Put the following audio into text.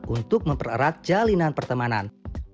untuk mempererat jalinan pertemanan